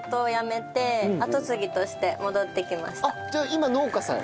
じゃあ今農家さん？